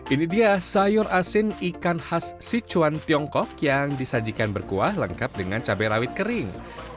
ini dia sayur asin ikan khas sichuan tiongkok yang disajikan berkuah lengkap dengan cabai rawit kering